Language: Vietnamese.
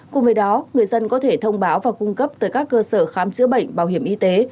cùng với đó người dân có thể thông báo và cung cấp tới các cơ sở khám chữa bệnh bảo hiểm y tế